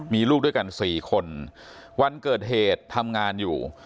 มีลูกด้วยกัน๔คนวันเกิดเหตุทำงานอยู่